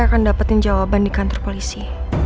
saya akan dapetin jawaban di kantor polisi